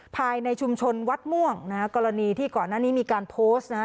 ภายในชุมชนวัดม่วงนะฮะกรณีที่ก่อนหน้านี้มีการโพสต์นะฮะ